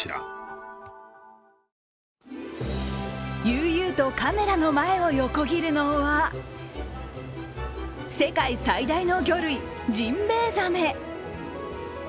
悠々とカメラの前を横切るのは世界最大の魚類・ジンベエザメ。